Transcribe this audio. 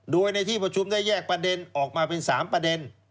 โดยในที่ประชุมได้แยกประเด็นออกมาเป็น๓ประเด็น